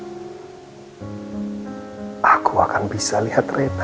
dengan aku bisa lihat lagi itu artinya